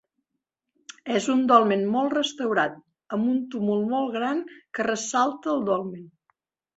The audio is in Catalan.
És un dolmen molt restaurat, amb un túmul molt gran que ressalta el dolmen.